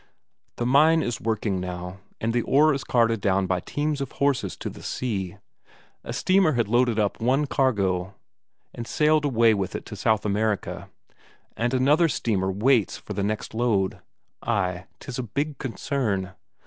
The mine is working now, and the ore is carted down by teams of horses to the sea; a steamer had loaded up one cargo and sailed away with it to South America, and another steamer waits already for the next load. Ay, 'tis a big concern.